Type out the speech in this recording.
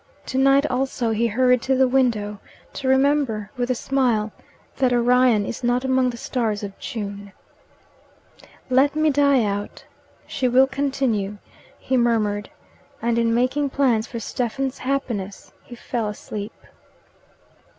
To night also he hurried to the window to remember, with a smile, that Orion is not among the stars of June. "Let me die out. She will continue," he murmured, and in making plans for Stephen's happiness, fell asleep.